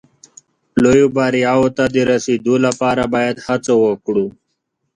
لویو بریاوو ته د رسېدو لپاره باید هڅه وکړو.